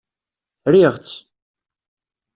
Riɣ-tt.